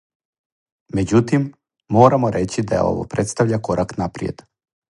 Меđутим, морамо рећи да ово представља корак напријед.